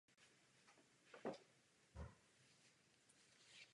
Je majitelem i ruského pasu.